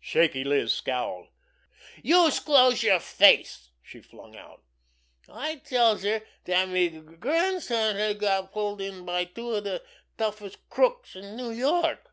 Shaky Liz scowled. "Youse close yer face!" she flung out. "I tells her dat me grandson has got pulled in by two of de toughest crooks in New York."